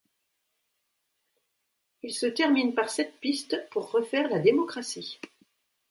Il se termine par sept pistes pour refaire la démocratie.